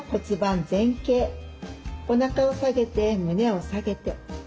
おなかを下げて胸を下げて。